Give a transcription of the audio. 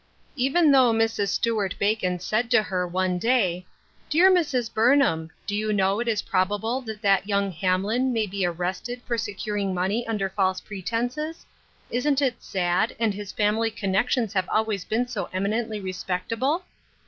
Even though Mrs. Stuart Bacon said to her, one day, — "Dear Mrs. Burnham, do you know it is probable that that young Hamlin may be arrested for securing money under false pretenses ? Isn't it sad, and his family connections have always been so eminently respectable?"